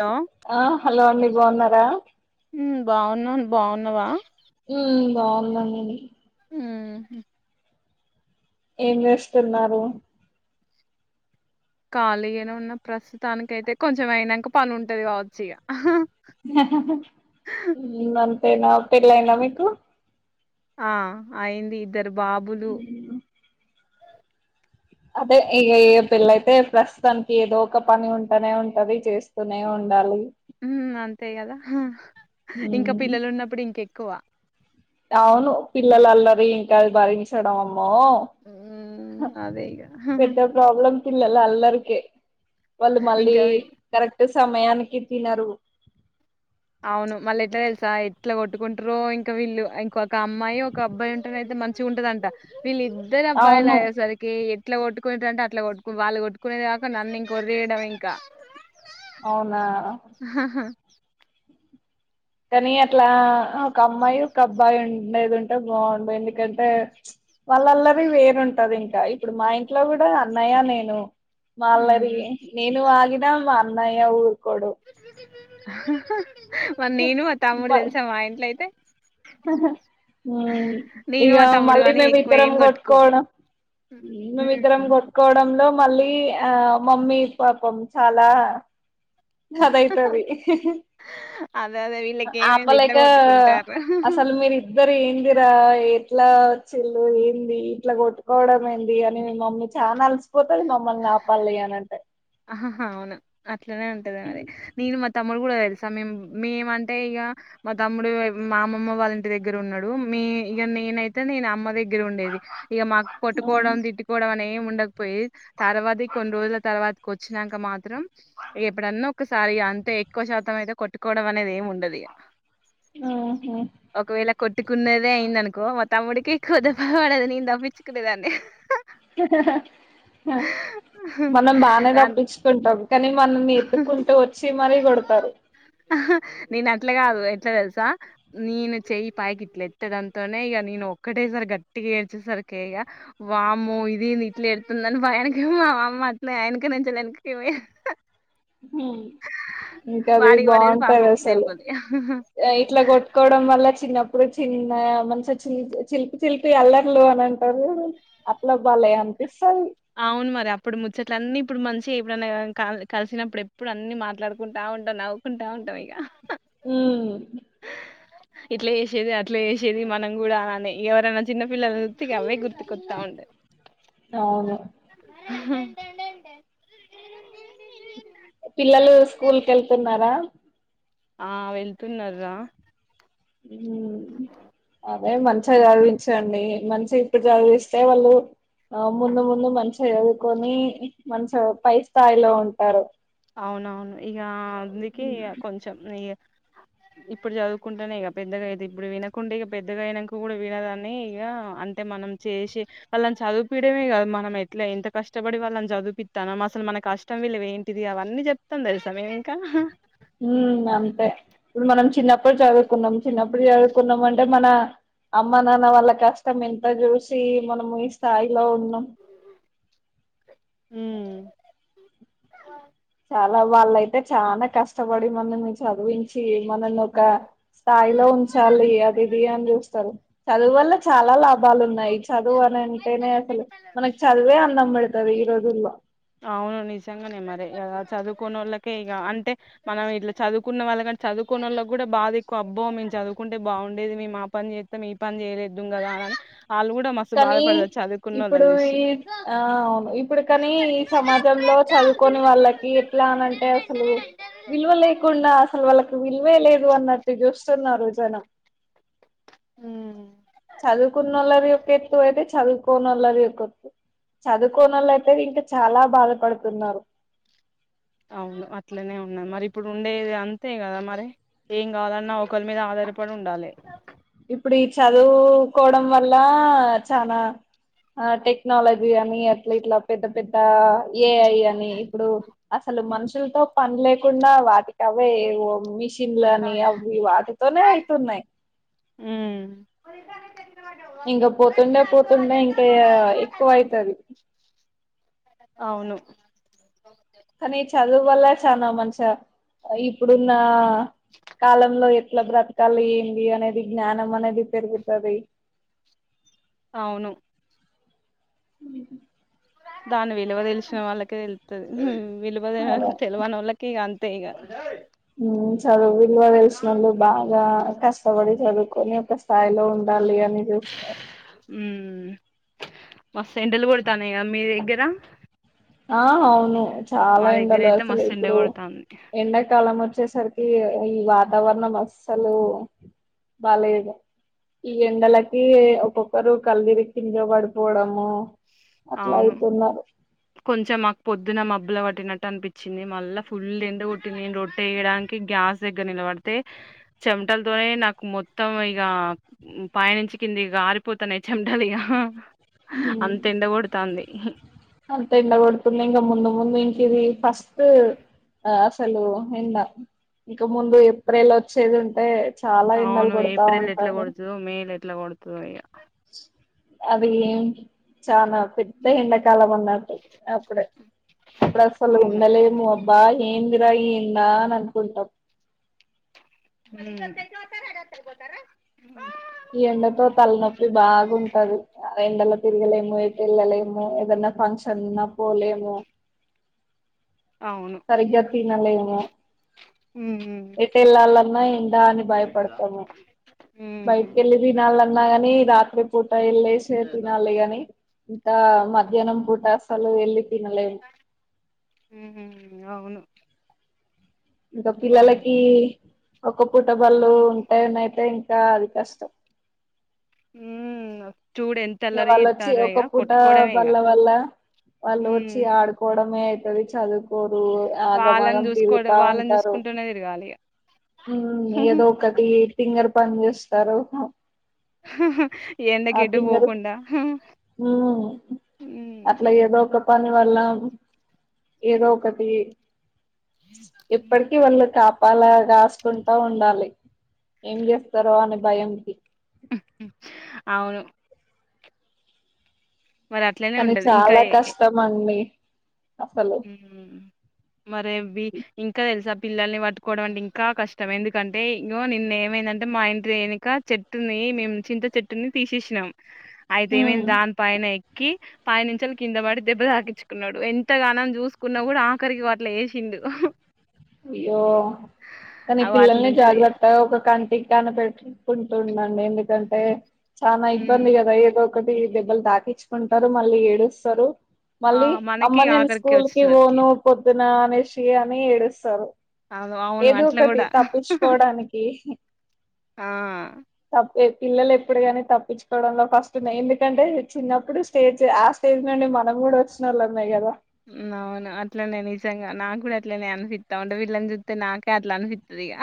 Hello ఆ hello అండి బాగున్నారా బాగున్నామ్ బాగున్నావా ఉ బాగున్నాం మేము ఉమ్ ఏం చేస్తున్నారు ఖాళీగానే ఉన్న ప్రస్తుతానికయితే కొంచెం అయినాక పని ఉంటది కావచ్చు ఈఘ ఉమ్ అంతేనా పెళ్లయిందా మీకు ఆ అయింది ఇద్దరు బాబులు ఉమ్. అదే ఇక ఏ పెళ్ళయితే ప్రస్తుతానికి ఏదో ఒక పని ఉంటానే ఉంటది చేస్తూనే ఉండాలి ఉమ్ అంతే కదా ఇంకా ఉమ్. పిల్లలు ఉన్నప్పుడు ఇంక ఎక్కువ అవును పిల్లల అల్లరి ఇంకా అది భరించడం ఓ ఉమ్ అదే ఇగ పెద్ద ప్రబ్లమ్ పిల్లల అలరికి వాళ్ళు మళ్ళీ ఇంకా వీ- కరెక్ట్ సమయానికి తినరు అవును మళ్ళీ ఎట్లా తెలుసా ఎట్లా కొట్టుకుంట్ర ఇంకా వీళ్ళు ఇంకొక అమ్మాయి ఒక అబ్బాయి ఉంటం అయితే మంచిగా ఉంటదంట వీళ్లు ఇద్దరు అబ్బాయిలు అవును అయ్యేసరికి ఇట్లా కొట్టుకుంటారంటే అట్లా కొట్టు వాళ్ళు కొట్టుకునేది కాక నన్ను ఇంక ఊరియడం ఇంకా అవునా కానీ అట్లా ఒక అమ్మాయి ఒక అబ్బాయి ఉండేదుంటే బాగుండు ఎందుకంటే వాళ్ళల్లరి వేరుఉంటది ఇంకా ఇప్పుడు మా ఇంట్లో కూడా అన్నయా నేను మా అల్లరి ఉమ్ నేను ఆగిన మా అన్నయ్య ఊర్ కొడు మరి నేను మా తమ్ముడు తెలిసా మా ఇంట్లో అయితే నేను ఇక మా తమ్ముడు మళ్ళీ గాని మేము ఎక్కువ ఇద్దరం ఏం కొట్టుకోము కొట్కోడం మేమిద్దరం ఉమ్ కొట్టుకోవడంలో మళ్ళీ ఆ మమ్మీ పాపం చాలా అదాయితది అదే అదే వీళ్ళకి ఏమైంది ఇట్లా ఆపలేక కొట్టుకుంటారు అసలు మీరు ఇద్దరు ఏందిరా ఇట్లా చిల్ళు ఏంది ఇట్లా కొట్టుకోవడం ఏంది అని మీ మమ్మీ చాలా అలిసిపోతుంది మమ్మల్ని నా ఆపల్లి అని అంటే ఆహాహ అవును అట్లనే ఉంటది మరి నేను మా త ముడు కూడా తెలుసా మేము మేమంటే ఇగ మా తమ్ముడు మా అమమ్మ వాళ్ళ ఇంటి దగ్గర ఉన్నాడు ఇక నేనైతే నేను అమ్మ దగ్గర ఉండేది ఇక మాకు కోట్టుకోవడం తిట్టుకోవడం అనేమి ఉండకపోయి తర్వాత కొన్ని రోజుల తర్వాత వచ్చినాక మాత్రం ఎప్పుడన్నా ఒకసారి అంతే ఎక్కువ శాతం అయితే కొట్టుకోవడం అనేది ఏమి ఉండదిగా ఆహా కొట్టుకున్నదే అయింది అనుకో మా తమ్ముడికి ఒక దెబ్బ పడదు నేను తప్పించుకునేదాన్ని మనం బానే అన్ తప్పించుకుంటాం కానీ మనల్ని ఎతుకుంటూ వచ్చి మరీ కొడతారు నేను అట్లా కాదు ఎట్లా తెలుసా నేను చెయ్యి పైకి ఇట్ల ఎత్తడంతోనే ఇక నేను ఒక్కటే సారి గట్టిగా ఏడ్చేసరి కేగా వాము ఇది నీట్లో ఏడుతుందని భయానికేమో అమ్మ అట్లే ఎనకనె చెలేనికి ఇవె ఇంకా అది వాడికి పడేది బావుంటది పాపం అసలు దెబ్బలు ఇట్లా కొట్టుకోవడం వల్ల చిన్నప్పుడు చిన్న మనసిచ్చి చిలిపి చిలిపి అల్లార్లు అని అంటారు అట్లా బలే అనిపిస్తంది అవును మరి అప్పుడు ముచ్చట్ల అన్నీ ఇప్పుడు మంచి ఎప్పుడైన్నా కాల్ కలిసినప్పుడు ఎప్పుడు అన్ని మాట్లాడుకుంటా ఉంటాం నవ్వుకుంటా ఉంటాం ఇక ఉమ్ ఇట్లా చేసేవి అట్లా చేసేవి మనం కూడా అనె ఇగ ఎవరైనా చిన్నపిల్లని చుస్తే ఇగ అవే గుర్ కొత్తా ఉంటాయి. అవును ఉహు పిల్లలు స్కూల్ కెళ్తున్నారా? ఆ వెళ్తున్నారు రా మ్ అదే మంచిగా చదివించండి. మంచిగా ఇప్పుడు చదివిస్తే వాళ్ళు ఆ ముందు ముందు మంచిగ చదువుకొని మంచిగ పై స్థాయిలో ఉంటారు. అవునవును ఇక అ అందుకె గ్ కొంచెం ఈ ఇప్పుడు చదువుకుంటేనే గ్ పెద్దగా అయితే ఇప్పుడు వినకుంటే ఇగ పెద్దగా అయినంకా కూడా వినదని ఇగ అంతే. మనం చేసి వాళ్ళన్ చదివిపియడమే కాదు. మనం ఎట్లా ఎంత కష్టపడి వాళ్ళని చదివిపిత్తానం అసలు మనకి కష్టం విలువ ఏంటిది, అవన్నీ చెప్తాంది అది సమయం ఇంకా ఉమ్ అంతే ఇప్పుడు మనం చిన్నప్పుడు చదువుకున్నాం, చిన్నప్పుడు చదువుకున్నాం అంటే మనా అమ్మ నాన్న వాళ్ళ కష్టం ఇంత చూసి మనం ఈ స్థాయిలో ఉన్నాం. మ్ చాలా వాళ్ళయితే చానా కష్టపడి మన మీ చదివించ్ చ్చి మనల్ని ఒక స్థాయిలో ఉంచాలి. అది ఇది అని చూస్తారు. చదువు వాల్ల చాలా లాభాలు ఉన్నాయి చదువు అని అంటేనే అసలు. మనకి చదువే అన్నం బెడతది ఈరోజుల్లో అవును నిజంగానే మరి ఇగ కాద్ చదువుకున్న ఓళ్ళకే ఇగ అంటే మనం ఇట్లా చదువుకున్న వాళ్ళకంటే చదువుకొనోళ్ళకి కూడా బాధ ఎక్కువ. అబ్బో మేము చదువుకుంటే బావుండేది. మేము మా పని చేస్తాం, మీ పని చేయలేదు గదా. అలాగే కనీ ఇప్పుడు చూసి ఈ ఆ అవును ఇప్పుడు కనీ సమాజంలో చదువుకొని వాళ్ళకి ఎట్లా అన అంటే అసలు విలువల్ లేకుండా అసలు వాళ్ళకు విలువే లేదు అన్నట్టు చూస్తున్నారు జనం. మ్ చదువుకునోళ్లది ఒక ఎత్తు అయితే, చదువుకోన్నాళ్ళది ఒక ఎత్తు. చదువుకోనోలైతే ఇంకా చాలా బాధపడుతున్నారు. అవును అట్లనే ఉన్నాను మరి ఇప్పుడు ఉండేది అంతే కదా మరి. ఏం కావలన్నా ఒకలు మీద ఆధారపడి ఉండాలి. కోవడం వళ్ళ చనా ఆ టెక్నాలజీ అని అట్లా ఇట్లా పెద్ద పెద్ద ఆ ఏఐ అని ఇప్పుడు అసలు మనుషులతో పని లేకుండా వాటికి అవే ఏవో మిషన్ల అని అవి వాటితోనే అయితున్నాయి. మ్ ఇంకా పోతుండె పోతుండె ఇంకా ఇక ఎక్కువ అయితది. అవును కానీ చదువు వల్ల చానా మంచ అ ఇప్పుడున్న కాలంలో ఏ ఇట్ల బ్రతకాలి ఏంది అనేది జ్ఞానం అనేది పెరుగుతది. అవును మీది దాన్ని విలువ తెలిసిన వాళ్ళకే తెలుతది ఉహు విలువ అదే తెలివనోళ్ళకి ఇగ అ ంతేగా ఉమ్ చదువు విలువ తెలిసినోళ్ళు బాగా కష్టపడి చదువుకొని ఒక స్థాయిలో ఉండాలి గాన్ని చూస్తారు ఉమ్ మస్తు ఎండలు కొడుతనైగా మీ దగ్గర ఆ అవును చాలా మా దగ్గర ఎండలు అయితే అసలు మస్తు ఎండ ఇప్పుడు కొడతాంది ఎండాకాలం ఒచ్ వచ్చేసరికి ఈ వాతావరణం అస్సులు బాలెదు. ఈ ఎండలకి ఒక్కొక్కరు కళ్లుదిరి కింద పడిపోవడము అట్లా అవును అయితున్నారు కొంచెం మాకు పొద్దున్న మబ్బుల పట్టినట్టు అనిపించింది మళ్ళీ ఫుల్ ఎండు కొట్టి నేను రొట్ట చేయడానికి గ్య గ్యాస్ దగ్గర నిలబడితే చెమటలతోనే నాకు మొత్తం ఇగ పైనించి కింది ఇగ కారిపోతనే చెంమటలిగా ఉం అంత ఎండ పడుతున్నా ఇంకా ముందు ముందు ఇం ఇది ఫస్ట్ అసలు ఎంద ఇంక ముందు ఏప్రిల్ వచ్చేది ఉంటే చాలా ఎండలు అవును కొడతా ఏప్రిల్ ఎట్లా ఉంటది గొడుతదో మే లో ఎట్లా గొడుతదో ఇగ అది చానా పెద్ద ఎండాకాలం అన్నట్టు అప్పుడె అప్పుడసల్ అవును ఉండలేం అబ్బా ఎందిరా ఇ ఎండా అనుకుంటాం ఉమ్ ఈ ఎండతో తలనొప్పి బాగుంటది అ ఎండలో తిరగలేము ఏటు వెళ్ళలేము ఏదనా ఫంక్షన్ ఉన్న పోలేము అవును సరిగ్గా తినలేము ఉమ్. ఎట్ ఎళ్ళాలన్నా ఏండా అని భయపడతాము ఉమ్. బయట్ కెళ్ళి తినాలన్నగాని రాత్రి పూట ఎల్లేశే తినాలి గని ఇంత మధ్యాహ్నం పూట అసలు ఎళ్ళి ఉం అవును ఇంకా అవును. పిల్లలకి ఒక్క పూట బళ్ళు ఉంటే నైట్ల దిఇంకా అది కష్టం ఉం ఇగ వాళ్ళొచ్చి ఒక పూట కొట్టుకోవడమే ఇక బల్ల వల్ల వాళ్ళు ఉమ్. వచ్చి ఆడుకోవడమే అది చదువుకోరు వాళ్ళని ఆగమాగం చూసుకోవడం తిరుగుతా వాళ్ళని ఉంటారు చూసుకుంటూనే తిరగాలి ఇగ ఉమ్ ఏదో ఒకటి ఎ తింగరి పని చేస్తారు ఆ ఎండకి ఎటు తింగారి పోకుండా ఉం హ్మ్. అట్లా ఏదో ఒక పని వల్ల ఏదో ఒకటి ఇప్పడికీ వళ్ళు కాప్ వాళ్ళ కాస్కుంటా ఉండాలి ఏం చేస్తారో అనే భయంకి అవును మరి అట్లనే కానీ ఉంటది ఇంకా చాలా కష్టం అండి అసలు ఉమ్ మరేవ్వి ఇంకా తెలుసా పిల్లల్ని పట్టుకోవడం అంటే ఇంకా కష్టం ఎందుకంటే ఇగొ నిన్న ఏమైందంటే మా ఇంటి ఎనుక చెట్టుని మేము చింత చెట్టుని తీసేషీనం అయితే ఉమ్ ఏమైంది దాని పైన ఎక్కి పైనించెల్లి కింద పడి దెబ్బ తాకించుకున్నాడు ఎత్ త్తగానం చూసుకున్న కూడా ఆఖరికి ఇగో అట్ల చేసిండు అయ్యో కని పిల్లల్ని అట్లుంటది ఇగ జాగ్రత్త ఒక కంటి కన పెట్టుకుంటుండండి ఎందుకంటే చానా హ్మ్. ఇబ్బంది కదా ఏదో ఒకటి దెబ్బలు తాకించుకుంటారు మళ్ళీ ఏడుస్తారు ఆ మళ్ళీ మనకి అమ్మ నేను ఆఖరికి స్కూల్ కి వచ్చేసరికి పోను పొద్దున అనేసి అని ఏడుస్తారు అవును అవును ఏదో అట్లా ఒకటి కూడా తప్పించుకోవడానికి ఆ తప్పే పిల్లలు ఎప్పుడు కానీ తప్పించుకోవడంలో ఫస్ట్ ఉన్న ఎందుకంటే చిన్నప్పుడు స్టేజ్ ఆ స్టేజ్ నుండి మనం కూడా ఒచ్చినోల్లమే కదా మ్ అవును అట్లనే నిజం నాకు కూడా అట్లనే అనిపిత్త ఉంటది వీళ్ళని చూత్తే నాకే అట్లా అనిపిత్తది ఇగా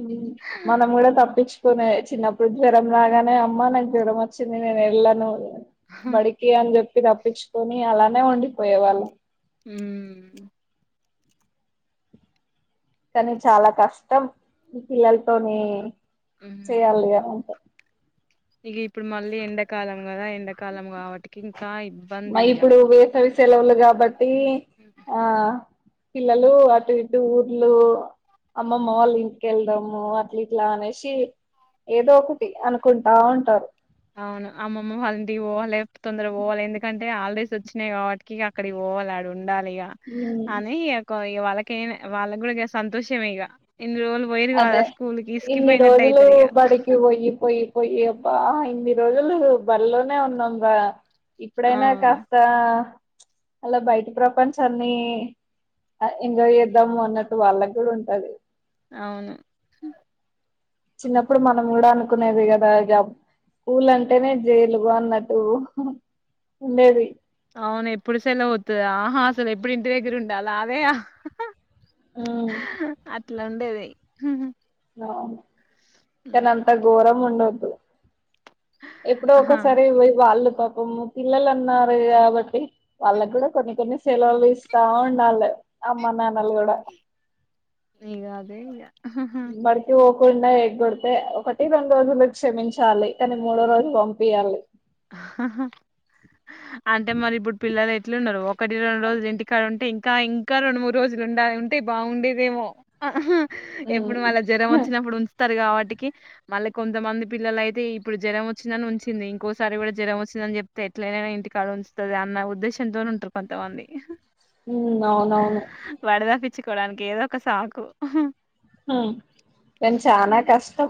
ఉమ్ మనం కూడా తప్పిచ్ కునే చిన్నప్పుడు జ్వరం రాగానే అమ్మ నాకు జ్వరం వచ్చింది నేను ఏళ్ళను బడికి అని చెప్పి తప్పించుకొని అలానే ఉండిపోయే వాళ్ళం ఉమ్ కానీ చాలా కష్టం ఈ పిల్లలతోని హ్మ్ చేయాలి అంటే ఇగ ఇప్పుడు మళ్ళీ ఎండాకాలం కదా ఎండాకాలం కాబట్టికి ఇబ్బంది మరీ ఇగ ఇప్పుడు వేసవి సెలవులు కాబట్టి ఆ పిల్లలు అటు ఇటు ఊర్లు అమ్మమ్మ వాళ్ళు ఇంటికెళ్దాము అట్లా ఇట్లా అనేషి ఏదో ఒకటి అనుకుంటా ఉంటారు అవును అమ్మమ్మ వాళ్ళ ఇంటికి పోవాలే తొందర పోవాలే ఎందుకంటే హాలిడేస్ వచ్చినయి కాబట్టికి ఇగ అక్కడికి పోవా పోవలె ఆడ ఉండాలీ ఇగ ఉమ్, అనీ ఒక వాళ్ళకే వాళ్ళకి కూడా జర సంతోషమే ఇగ ఇన్ని రోజులు పోయిర్రు కదా అదే స్కూల్ కి ఇన్ని ఇసికిపోయినట్టు రోజులు అయితరు ఇగ బడికి పోయి పోయి పోయి బ్బా ఇన్ని రోజులు బడిలోనే ఉన్నాం కదా ఆ ఇప్పుడైనా కాస్త అలా బైటి ప్రపంచాన్ని అ ఎంజాయ్ చేద్దాము అన్నట్టు వాళ్ళకి కూడా ఉంటది అవును చిన్నప్పుడు మనం కూడా అనుకునేది కదా జబ్ స్కూలంటేనే జైలుగు అన్నట్టు ఉండేది అవును ఎప్పుడు సెలవు ఒత్తద ఆహా అసలు ఎప్పుడు ఇంటి దగ్గర ఉండాల అదేయా ఉమ్ అట్లా ఉండేది అవును కాని అంత గోరం ఉండోద్ ఎప్పుడో ఆహా ఒకసారి వాళ్ళు పాపం పిల్లలు ఉన్నారు కాబట్టి వాళ్ళకి కూడా కొన్ని కొన్ని సెలవులు ఇస్తా ఉండాలే అమ్మ నాన్నలు కూడా ఇగ అదే ఇగ గుండా ఎగొడితే ఒకటి రెండు రోజులు క్షమించాలి కానీ మూడో రోజు పంపియాలి అంటే మరి ఇప్పుడు పిల్లలే ట్లున్నారు ఒకటి రెండు రోజులు ఇంటికాడ ఉంటే ఇంకా ఇంకా రెండు మూడు రోజులు ఉండాలి ఉంటే బాగుండేదేమో ఉమ్ ఎప్పుడు మళ్ళ జ్వరం వచ్చినప్పుడు ఉంచుతారు కాబట్టి టీకి మళ్ళీ కొంతమంది పిల్లల అయితే ఇప్పుడు జ్వరం వచ్చిందని ఉంచింది ఇంకో సారి కూడా జరం వచ్చిందని చెప్తే ఎట్లైనా ఇంటికాడ ఉంచుతది అన్న ఉద్దేశంతో ఉంటారు కొంతమంది ఉమ్ అవునవును చ్చుకోవడానికి ఏదో ఒక సాకు హ కానీ చానా కష్టం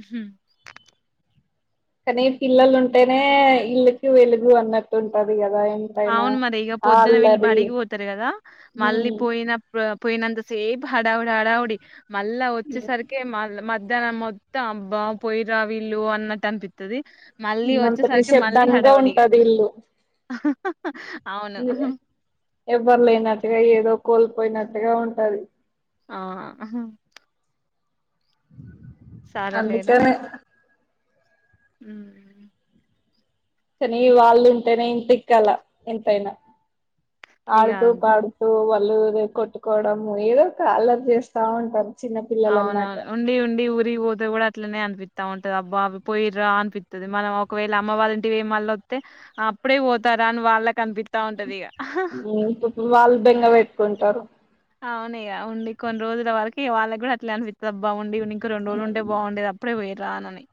ఉహ్మ్ కానీ పిల్లలు ఉంటేనే ఇల్లుకి వెలుగు అన్నట్టు ఉంటది క అవును మరి ఇగ పొద్దున వీళ్ళు బడిగిపోతారు కదా మళ్ళీ ఉమ్ పోయిన పోయినంత సేపు హడావ్డి హడావ్డి మళ్ళా వచ్చేసరికి మళ్ మద్ ధ్యానం మొత్తం ఆబ్బ పొయిరా విల్లు అన్నట్టు అనిపితది మళ్ళీ ఇన్నంత వచ్చేసరికి మళ్ళీ నిశ్శబ్దంగా హడావీడిగా ఉంటది ఎవరు లేనట్టుగా ఏదో కోల్పోయినట్టుగా ఉంటాది ఆ అందుకనే ఉమ్ కానీ వాళ్ళు ఉంటేనే ఇంటికల ఎంతైనా ఇగ ఆడుతూ పాడుతూ వాళ్ళు ఎదో కొట్టుకోవడంము ఏదో ఒక అల్లరి చేస్తా ఉంటారు చిన్న పిల్లలు అన్నాక అవునవును ఉండి ఉండి ఊరికి పోతే కూడా అట్లనే అనిపి వస్తా ఉంటది అబ్బా అ పోయిరా అనిపిత్తది మనం ఒకవేళ అమ్మవాళ్ల ఇంటికి వోయ్ మళ్ళ వత్తే అప్పుడే పోతా రా వాళ్ళకి అనిపిత్తది ఇప్పుడు వాళ్ళు బెంగ పెట్టుకుంటారు అవును ఇగ ఉండి కొన్ని రోజుల వరకు వాళ్ళకి కూడా అట్లే అనిపి బాగుండి ఇంకా రెండు రోజులుంటే బాగుండేది అప్పుడే పోయి రానని